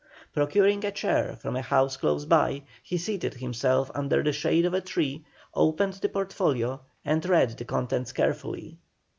Procuring a chair from a house close by he seated himself under the shade of a tree, opened the portfolio and read the contents carefully.